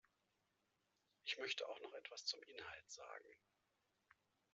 Ich möchte auch noch etwas zum Inhalt sagen.